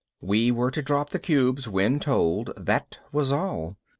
We were to drop the cubes when told, that was all.